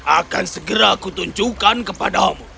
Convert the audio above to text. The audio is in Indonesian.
akan segera aku tunjukkan kepadamu